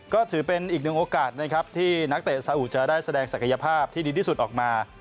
ก็ถือเป็นอีกหนึ่งโอกาสนะครับที่นักเตะสาอุจะได้แสดงศักยภาพที่ดีที่สุดออกมา